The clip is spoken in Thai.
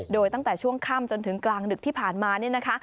โดยตั้งแต่ช่วงค่ำจนถึงกลางดึกที่ผ่านมาเนี่ยนะคะ